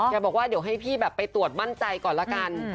บอกว่าเดี๋ยวให้พี่แบบไปตรวจมั่นใจก่อนละกัน